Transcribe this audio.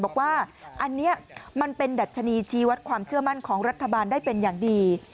บอกว่าอันนี้มันเป็นดัชนีชี้วัดความเชื่อมั่นของรัฐบาลได้เป็นอย่างดี